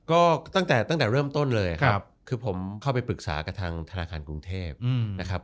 ก็ตั้งแต่เริ่มต้นเลยครับคือผมเข้าไปปรึกษากับทางธนาคารกรุงเทพ